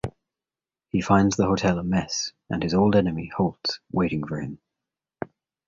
He finds the hotel a mess and his old enemy, Holtz, waiting for him.